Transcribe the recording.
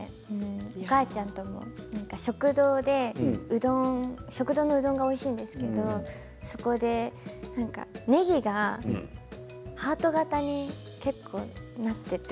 お母ちゃんとも食堂のうどんがおいしいんですけれど、そこでねぎがハート形に結構なっていて。